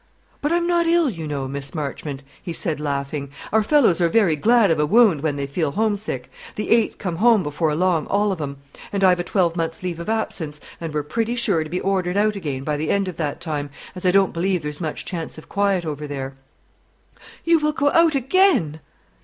"But I'm not ill, you know, Miss Marchmont," he said, laughing. "Our fellows are very glad of a wound when they feel home sick. The 8th come home before long, all of 'em; and I've a twelvemonth's leave of absence; and we're pretty sure to be ordered out again by the end of that time, as I don't believe there's much chance of quiet over there." "You will go out again!